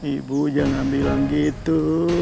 ibu jangan bilang gitu